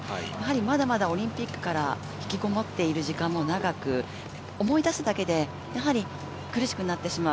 まだまだオリンピックから引きこもっている時間も長く思い出すだけで、苦しくなってしまう。